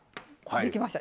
できました。